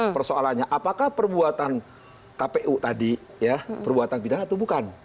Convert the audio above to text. persoalannya apakah perbuatan kpu tadi ya perbuatan pidana atau bukan